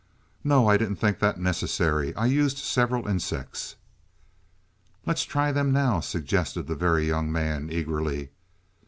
"No, I didn't think that necessary. I used several insects." "Let's try them now," suggested the Very Young Man eagerly.